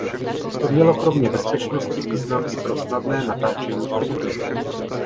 To mělo kromě bezpečnosti význam i pro snadné natáčení proti větru.